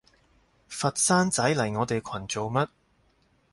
佛山仔嚟我哋群做乜？